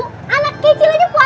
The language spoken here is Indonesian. kamar najwa dinda